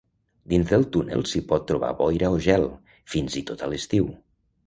Dins del túnel s'hi pot trobar boira o gel, fins i tot a l'estiu.